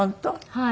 はい。